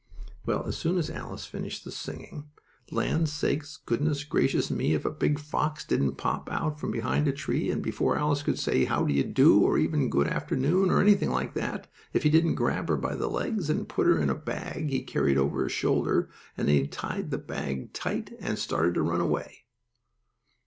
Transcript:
Well, as soon as Alice finished singing, land sakes! goodness, gracious me! if a big fox didn't pop out from behind a tree, and before Alice could say "How do you do?" or even "Good afternoon," or anything like that, if he didn't grab her by the legs and put her into a bag he carried over his shoulder, and then he tied the bag tight and started to run away.